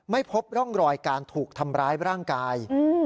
ไม่พบร่องรอยการถูกทำร้ายร่างกาย